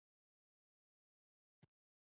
دغه انځور زما دی